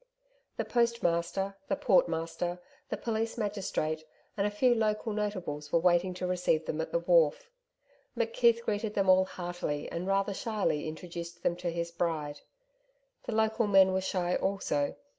The postmaster, the portmaster, the police magistrate, and a few local notables were waiting to receive them at the wharf. McKeith greeted them all heartily and rather shyly introduced them to his bride. The local men were shy also.